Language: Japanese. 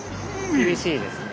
厳しいですね。